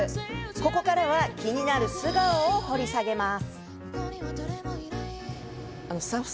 ここからは気になる素顔を掘り下げます。